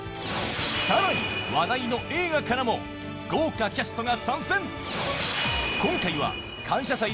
さらに話題の映画からも豪華キャストが参戦